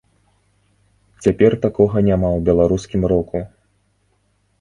Цяпер такога няма ў беларускім року.